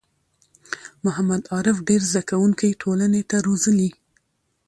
محمد عارف ډېر زده کوونکی ټولنې ته روزلي